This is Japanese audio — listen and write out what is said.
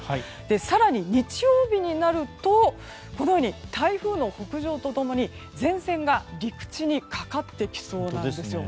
更に、日曜日になると台風の北上と共に前線が陸地にかかってきそうなんです。